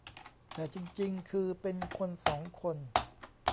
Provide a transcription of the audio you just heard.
แต่จริงจริงคือเป็นคนสองคน